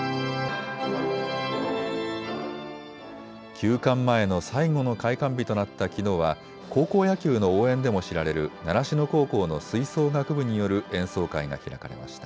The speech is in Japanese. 休館前の最後の開館日となったきのうは高校野球の応援でも知られる習志野高校の吹奏楽部による演奏会が開かれました。